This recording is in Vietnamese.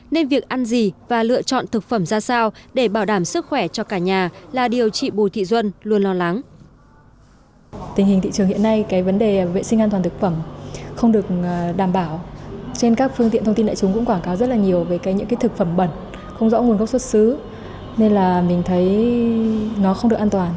nên việc ăn gì và lựa chọn thực phẩm ra sao để bảo đảm sức khỏe cho cả nhà là điều chị bù thị duân luôn lo lắng